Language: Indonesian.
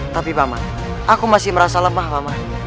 tapi mama aku masih merasa lemah mama